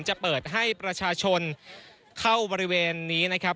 จะเปิดให้ประชาชนเข้าบริเวณนี้นะครับ